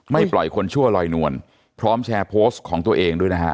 ปล่อยคนชั่วลอยนวลพร้อมแชร์โพสต์ของตัวเองด้วยนะฮะ